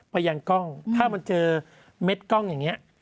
ไปยังกล้องถ้ามันเจอเม็ดกล้องอย่างนี้